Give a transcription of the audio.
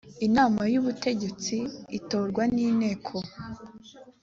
inama y ubutegetsi itorwa n inteko